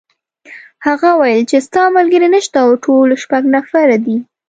هغه وویل چې ستا ملګري نشته او ټول شپږ نفره دي.